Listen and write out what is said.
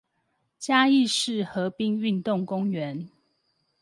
嘉義市河濱運動公園